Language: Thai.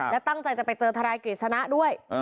และตั้งใจจะไปเจอทนายกฤษณะด้วย